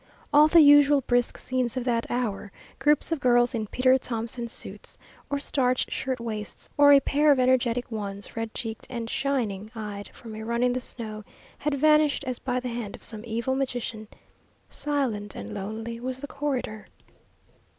All the usual brisk scenes of that hour, groups of girls in Peter Thomson suits or starched shirt waists, or a pair of energetic ones, red cheeked and shining eyed from a run in the snow, had vanished as by the hand of some evil magician. Silent and lonely was the corridor.